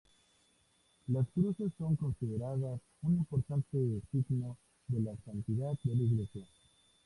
Las cruces son consideradas un importante signo de la santidad de la Iglesia.